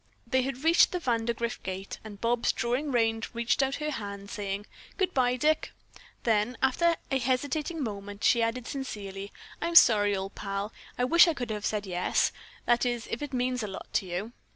They had reached the Vandergrift gate and Bobs, drawing rein, reached out her hand, saying: "Goodbye, Dick." Then, after a hesitating moment, she added sincerely, "I'm sorry, old pal. I wish I could have said yes that is, if it means a lot to you."